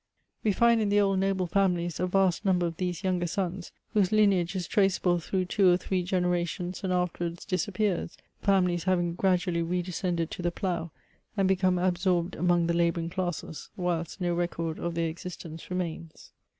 We find in the old noble families a vast number of these younger sons, whose lineage is traceable through two or three generations, and afterwards disappears ; the families having gradually re descended to the plough, and become absorbed among the labouring classes, whilst no record of their existence remains.